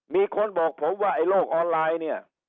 มีคนบอกผมว่าไอ้โลกออนไลน์เนี่ย